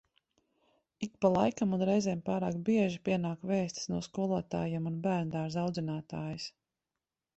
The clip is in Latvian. Ik pa laikam un reizēm pārāk bieži pienāk vēstis no skolotājiem un bērnudārza audzinātājas.